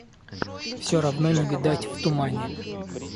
Все равно не видать в тумане.